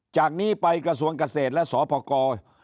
จากนี้ไปกระทรวงเกษตรและสพกร